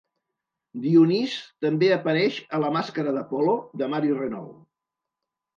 Dionís també apareix a "La màscara d'Apol·lo" de Mary Renault.